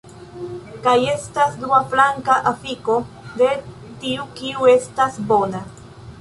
Kaj estas dua flanka afiko de tiu kiu estas bona